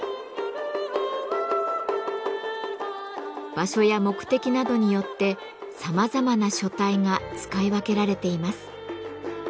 場所や目的などによってさまざまな書体が使い分けられています。